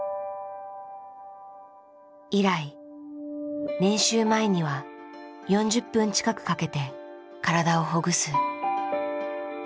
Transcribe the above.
以来練習前には４０分近くかけて体をほぐす。